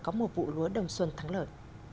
có một vụ lúa đồng xuân thắng lợi